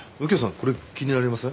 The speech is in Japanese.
これ気になりません？